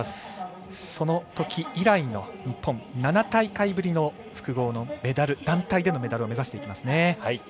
そのとき以来の日本日本、７大会ぶりの複合の団体でのメダルを目指していきますね。